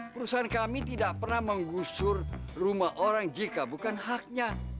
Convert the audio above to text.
perusahaan kami tidak pernah menggusur rumah orang jika bukan haknya